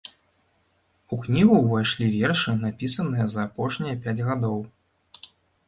У кнігу ўвайшлі вершы, напісаныя за апошнія пяць гадоў.